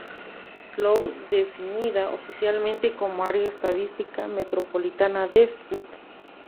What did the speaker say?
Cloud, definida oficialmente como Área Estadística Metropolitana de St.